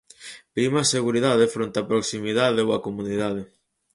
Prima a seguridade fronte á proximidade ou á comodidade.